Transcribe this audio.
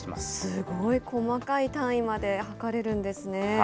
すごい細かい単位まで測れるんですね。